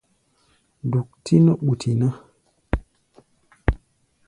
Duk-tí nɔ́ ɓuti ná.